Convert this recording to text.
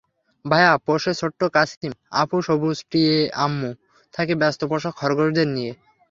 ভাইয়া পোষে ছোট্ট কাছিম, আপু সবুজ টিয়েআম্মু থাকে ব্যস্ত পোষা খরগোশদের নিয়ে।